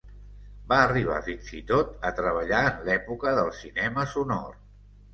Va arribar fins i tot a treballar en l'època del cinema sonor.